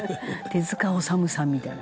「手治虫さんみたいな」